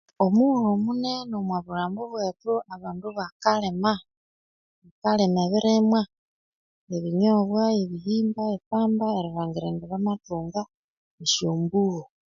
Omughulhu omunene omwa bulhambu bwethu abandu bakalima bakalima ebirimwa ebinyobwa ebihimba epamba erilhangira indi bamathunga esyo mbulho